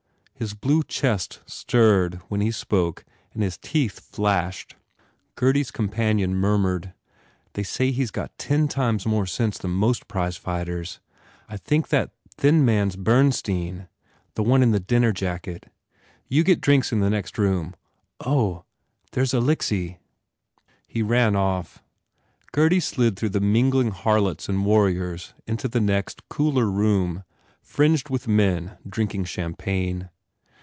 His blue chest stirred when he spoke and his teeth flashed. Gurdy s companion murmured, "They say he s got ten times more sense than most prize fighters. ... I think that thin man s Bernstein the one with a dinner jacket. You get drinks in the next room. Oh, there s Alixe !" He ran off. Gurdy slid through the mingling harlots and warriors into the next, cooler room, fringed with men drinking champagne.